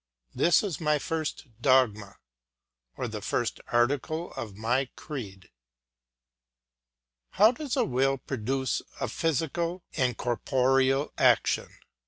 This is my first dogma, or the first article of my creed. How does a will produce a physical and corporeal action?